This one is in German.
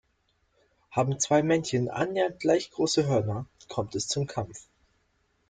Haben zwei Männchen annähernd gleich große Hörner, kommt es zum Kampf.